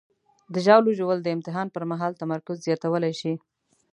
د ژاولې ژوول د امتحان پر مهال تمرکز زیاتولی شي.